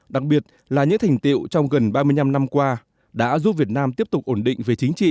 đặc biệt là những thành tiệu trong gần ba mươi năm năm qua